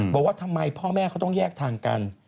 บอกว่าทำไมพ่อแม่เขาต้องแยกทางกัน